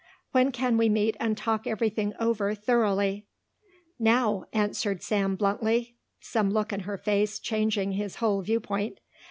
"When can we meet and talk everything over thoroughly?" "Now," answered Sam bluntly, some look in her face changing his whole viewpoint.